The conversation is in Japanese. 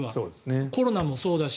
コロナもそうだし